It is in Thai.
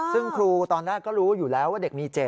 ซึ่งครูตอนแรกก็รู้อยู่แล้วว่าเด็กมี๗